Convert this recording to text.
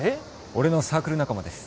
俺のサークル仲間です